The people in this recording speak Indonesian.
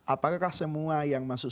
apakah semua yang masuk